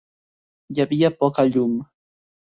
Hi havia poca llum.